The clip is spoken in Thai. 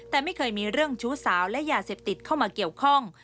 แต่ไม่เคยมีเรื่องชู้สาวและยาเสพติดเข้ามาเกี่ยวข้อง